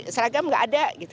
seragam gak ada gitu